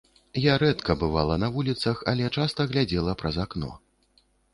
Я рэдка бывала на вуліцах, але часта глядзела праз акно.